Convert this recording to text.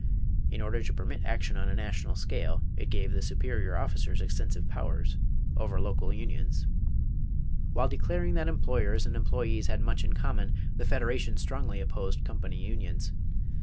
In order to permit action on a national scale, it gave the superior officers extensive powers over local unions. While declaring that employers and employees had much in common, the Federation strongly opposed company unions.